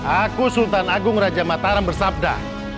aku sultan agung raja mataram bersabda